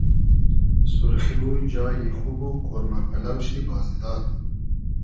سورخی و جای خوب و قۉرمۂ پئلۆ شی بازی داد